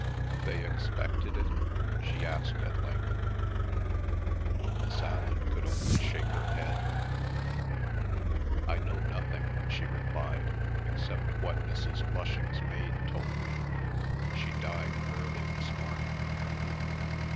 "They expected it?" she asked at length. Miss Allan could only shake her head. "I know nothing," she replied, "except what Mrs. Flushing's maid told me. She died early this morning."